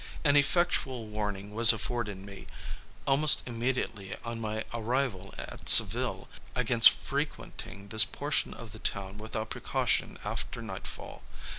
An effectual warning was afforded me, almost immediately on my arrival at Seville, against frequenting this portion of the town without precaution after nightfall.